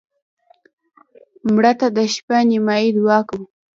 مړه ته د شپه نیمایي دعا کوو